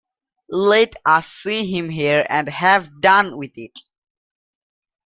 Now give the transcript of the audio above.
Let us see him here and have done with it.